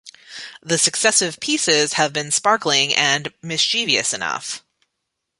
The successive pieces have been sparkling and mischievous enough.